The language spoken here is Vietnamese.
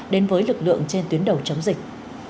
đến với lực lượng trên tuyến đầu chống dịch